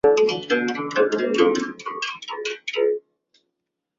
弗里堡州在这附近也拥有三块位于沃州境内的飞地。